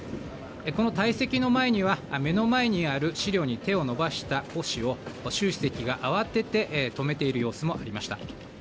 この退席の前には、目の前にある資料に手を伸ばした胡氏を習主席が慌てて止めている様子もありました。